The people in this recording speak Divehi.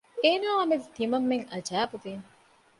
އޭނާއާމެދު ތިމަންމެން އަޖައިބު ވީމު